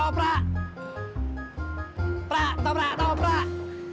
prak tau prak tau prak